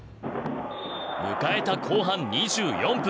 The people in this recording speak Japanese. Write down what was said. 迎えた後半２４分。